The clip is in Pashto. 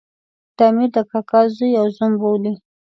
د امیر د کاکا زوی او زوم بولي.